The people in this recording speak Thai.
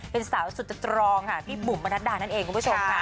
เป็นสาวสุดสตรองค่ะพี่บุ๋มประนัดดานั่นเองคุณผู้ชมค่ะ